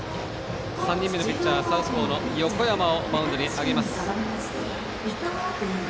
３人目のピッチャーサウスポーの横山をマウンドに上げます。